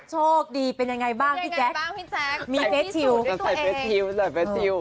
โชคดีเป็นยังไงบ้างพี่แจ็คมีเฟสติวใส่เฟสติว